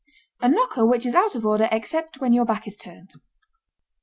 A knocker which is out of order except when your back is turned.